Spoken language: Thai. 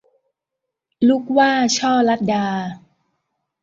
ลูกหว้า - ช่อลัดา